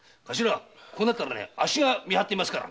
こうなったらあっしが見張ってみますから。